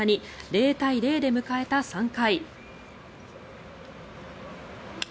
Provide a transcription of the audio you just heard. ０対０で迎えた３回。